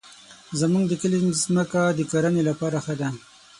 زمونږ د کلي مځکه د کرنې لپاره ښه ده.